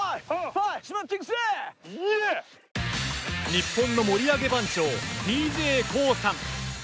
日本の盛り上げ番長ＤＪＫＯＯさん。